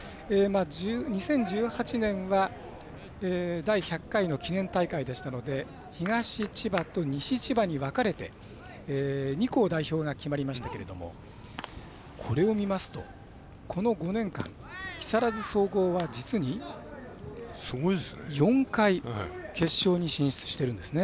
２０１８年は第１００回の記念大会でしたので東千葉と西千葉に分かれて２校代表が決まりましたけれどもこれを見ますと、この５年間木更津総合は実に４回決勝に進出してるんですね。